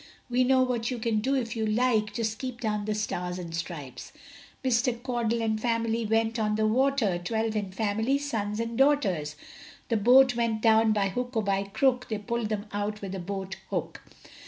We know what you can do if you like Just keep down the stars and stripes. Mr Caudle and family went on the water, Twelve in family, sons and daughters; The boat went down, by hook or by crook, They pulled them out with a boat hook.